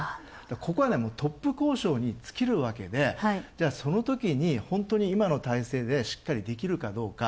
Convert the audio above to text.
ここは、トップ交渉に尽きるわけで、そのときに本当に今の体制でしっかりできるかどうか。